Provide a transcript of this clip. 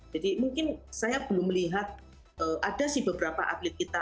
jadi mungkin saya belum melihat ada sih beberapa atlet kita